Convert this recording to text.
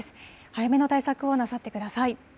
早めの対策をなさってください。